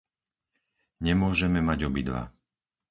Nemôžeme mať obidva.